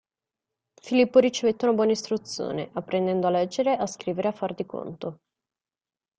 Filippo ricevette una buona istruzione, apprendendo a leggere, a scrivere, a far di conto.